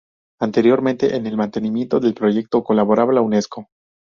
Anteriormente en el mantenimiento del proyecto colaboraba la Unesco.